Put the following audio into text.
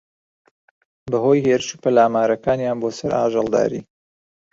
بەھۆی ھێرش و پەلامارەکانیان بۆسەر ئاژەڵداری